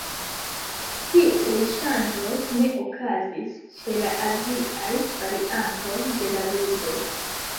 Tiuj ŝanĝoj ne okazis ĉe la aziaj variantoj de la ludo.